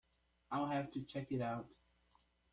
I’ll have to check it out.